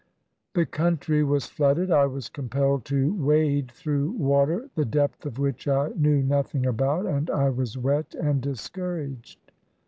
The country was flooded. I was compelled to wade through water the depth of which I knew nothing about, and I was wet and discouraged.